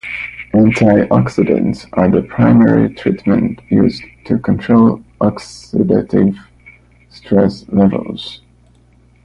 Antioxidants are the primary treatment used to control oxidative stress levels.